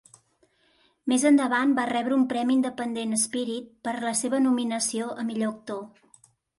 Més endavant va rebre un Premi Independent Spirit per la seva nominació a millor actor.